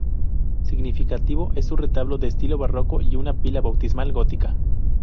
Significativo es su retablo de estilo barroco y una pila bautismal gótica.